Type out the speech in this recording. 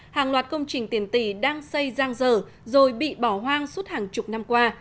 hàng loạt công trình tiền tỷ đang xây rang rờ rồi bị bỏ hoang suốt hàng chục năm qua